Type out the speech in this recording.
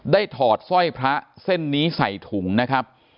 ถอดสร้อยพระเส้นนี้ใส่ถุงนะครับ